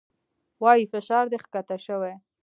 وايي فشار دې کښته شوى.